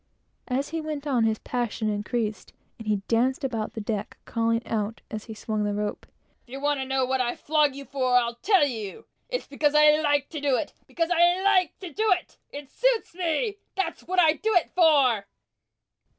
As he went on, his passion increased, and he danced about the deck, calling out as he swung the rope, "If you want to know what I flog you for, I'll tell you. It's because I like to do it! because I like to do it! It suits me! That's what I do it for!"